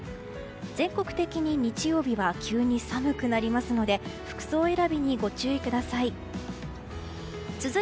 全国的に日曜日は急に寒くなりますので服装選びにご注意ください。